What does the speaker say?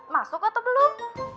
masuk atau belum